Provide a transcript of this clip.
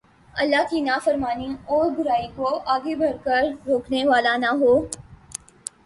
اللہ کی نافرمانی ہو اور برائی کوآگے بڑھ کر روکنے والا نہ ہو